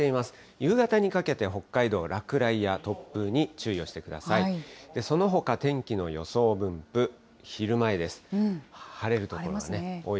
夕方にかけて、北海道、落雷や突風に注意をしてください。